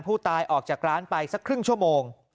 ผู้ตายออกจากร้านไปสักครึ่งชั่วโมง